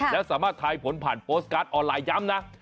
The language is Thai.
แล้วสามารถทายผลผ่านโพสต์การ์ดออนไลน์ย้ำนะ